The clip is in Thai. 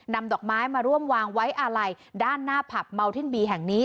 ดอกไม้มาร่วมวางไว้อาลัยด้านหน้าผับเมาทินบีแห่งนี้